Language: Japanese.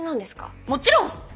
もちろん！